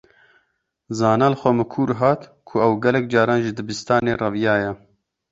Zana li xwe mikur hat ku ew gelek caran ji dibistanê reviyaye.